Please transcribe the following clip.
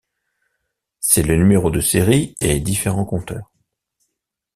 C'est le numéro de série et différents compteurs.